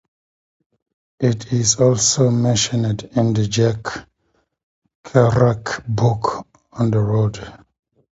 It is also mentioned in the Jack Kerouac book "On the Road".